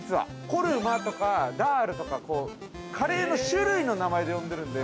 コルマか、ダールとか、カレーの種類の名前で読んでいるんで。